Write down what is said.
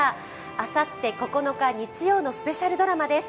あさって９日、日曜のスペシャルドラマです。